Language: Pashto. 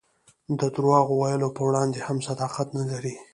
د درواغ ویلو په وړاندې هم صداقت نه لري.